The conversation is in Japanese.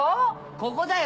ここだよ